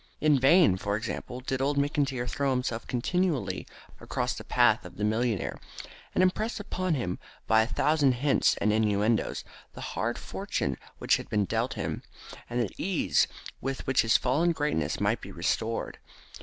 In vain, for example, did old McIntyre throw himself continually across the path of the millionaire, and impress upon him, by a thousand hints and innuendoes, the hard fortune which had been dealt him, and the ease with which his fallen greatness might be restored.